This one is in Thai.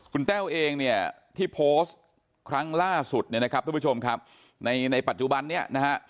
คุณแต้วเองที่โพสต์ครั้งล่าสุดทุกผู้ชมครับในปัจจุบันนี้